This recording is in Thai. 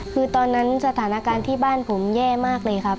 คือตอนนั้นสถานการณ์ที่บ้านผมแย่มากเลยครับ